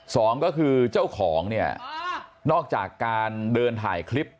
สองก็คือเจ้าของเนี่ยนอกจากการเดินถ่ายคลิป